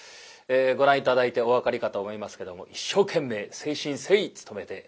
ご覧頂いてお分かりかと思いますけども一生懸命誠心誠意努めてまいりました。